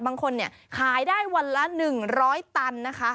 บางคนขายได้วันละ๑๐๐ตันนะคะ